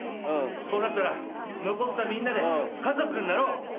こうなったら残ったみんなで家族になろう。